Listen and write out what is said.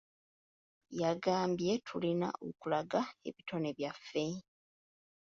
Yagambye tulina okulaga ebitone byaffe.